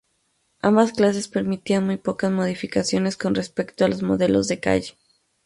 Ambas clases permiten muy pocas modificaciones con respecto a los modelos de calle.